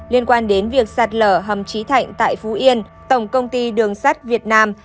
liên quan đến việc sạt lở hầm trí thạnh tại phú yên tổng công ty đường sắt việt nam